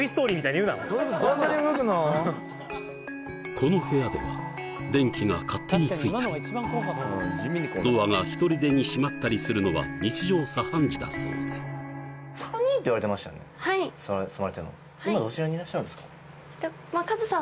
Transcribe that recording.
この部屋では電気が勝手についたりドアがひとりでに閉まったりするのは日常茶飯事だそうではい住まれてるのがカズさん